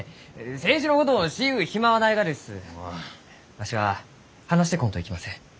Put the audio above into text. わしは話してこんといきません。